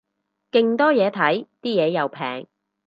勁多嘢睇，啲嘢又平